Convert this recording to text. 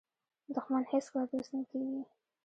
دښمن هیڅکله دوست نه کېږي